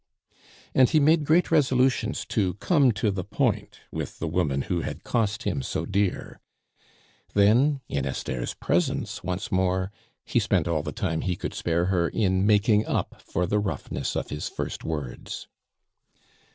And he made great resolutions to come to the point with the woman who had cost him so dear; then, in Esther's presence once more, he spent all the time he could spare her in making up for the roughness of his first words.